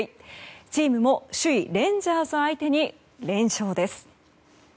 チームも首位レンジャーズ相手に連勝です。